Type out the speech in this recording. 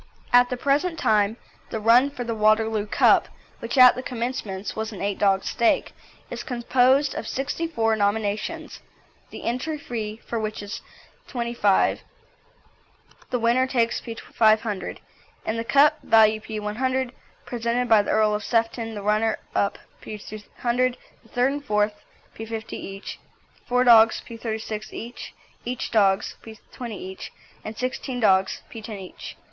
At the present time the run for the Waterloo Cup, which at the commencement was an eight dog stake, is composed of sixty four nominations, the entry fee for which is P25. The winner takes P500, and the cup, value P100, presented by the Earl of Sefton, the runner up P200, the third and fourth P50 each, four dogs P36 each, eight dogs P20 each, and sixteen dogs P10 each.